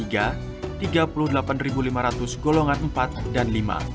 tiga puluh delapan lima ratus golongan empat dan lima